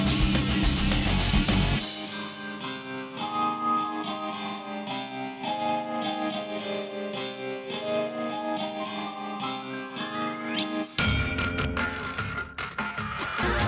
terima kasih chandra